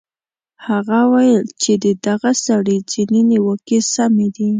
هغه ویل چې د دغه سړي ځینې نیوکې سمې دي.